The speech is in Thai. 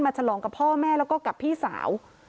ฉลองกับพ่อแม่แล้วก็กับพี่สาว